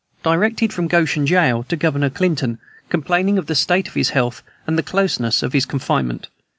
Directed from Goshen jail to Governor Clinton, complaining of the state of his health and the closeness of his confinement.